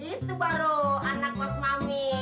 itu baru anak mas mami